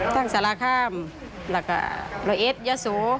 ทั้งสารข้ามและกับละเอ็ดยะสู